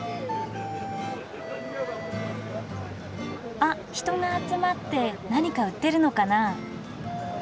あっ人が集まって何か売ってるのかな？